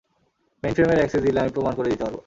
মেইনফ্রেমের access দিলে আমি প্রমাণ করে দিতে পারব!